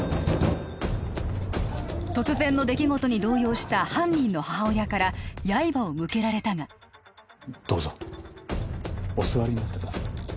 突然の出来事に動揺した犯人の母親から刃を向けられたがどうぞお座りになってください